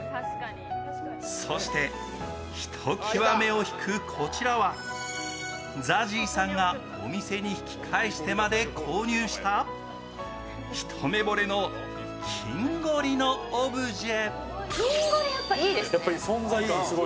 そして、ひときわ目を引くこちらは、ＺＡＺＹさんがお店に引き返してまで購入した一目ぼれの金ゴリのオブジェ。